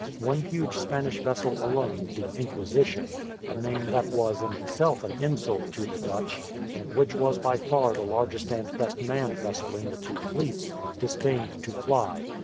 One huge Spanish vessel alone, the Inquisition, a name that was in itself an insult to the Dutch, and which was by far the largest and best manned vessel in the two fleets, disdained to fly.